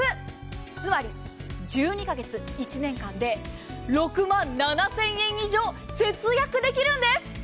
つまり、１２か月、１年間で６万７０００円以上節約できるんです。